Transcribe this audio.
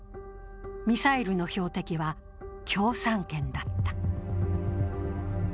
ミサイルの標的は、共産圏だった。